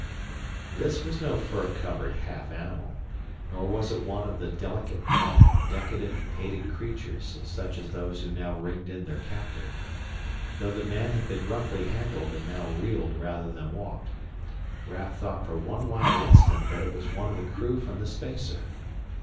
This was no fur covered half animal, nor was it one of the delicate boned, decadent, painted creatures such as those who now ringed in their captive. Though the man had been roughly handled and now reeled rather than walked, Raf thought for one wild instant that it was one of the crew from the spacer.